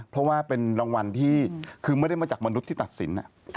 เพราะว่าเป็นรางวัลที่คือไม่ได้มาจากมนุษย์ที่ตัดสิน